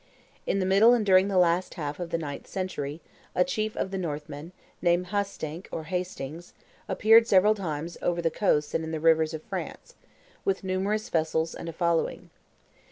In the middle and during the last half of the ninth century, a chief of the Northmen, named Hastenc or Hastings, appeared several times over on the coasts and in the rivers of France, with numerous vessels and a following.